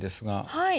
はい。